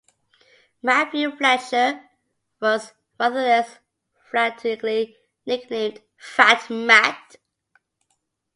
Mathew Fletcher was rather less flatteringly nicknamed "Fat Mat".